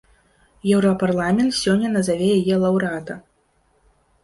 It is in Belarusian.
Еўрапарламент сёння назаве яе лаўрэата.